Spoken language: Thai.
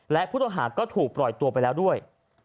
และผู้ต้องหาก็ถูกปล่อยตัวไปแล้วด้วย